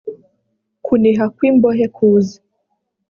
kuniha kw imbohe kuze